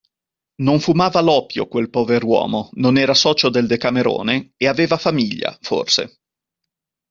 Non fumava l'oppio quel pover'uomo, non era socio del Decamerone, e aveva famiglia, forse.